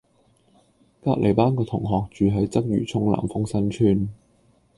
隔離班個同學住喺鰂魚涌南豐新邨